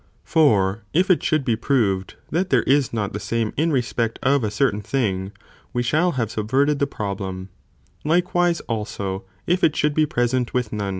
For if it should be proved that there is not the same in respect of a certain thing, we shall have sub verted the problem, likewise also if it should be present with το.